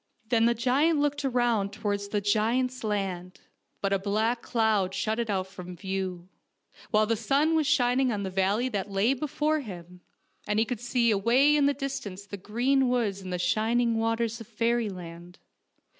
Then the giant looked around towards the giants' land ; but a black cloud shut it out from view, while the sun was shining on the valley that lay before him, and he could see away in the distance the green woods and shining waters of fairyland.